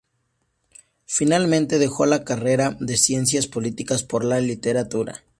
Finalmente dejó la carrera de Ciencias políticas por la literatura.